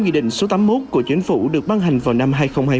nghị định số tám mươi một của chính phủ được ban hành vào năm hai nghìn hai mươi